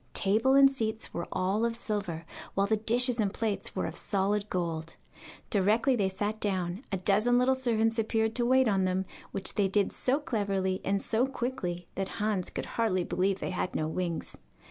Table and seats were all of silver, while the dishes and plates were of solid gold. Directly they sat down, a dozen little servants appeared to wait on them, which they did so cleverly and so quickly that Hans could hardly believe they had no wings.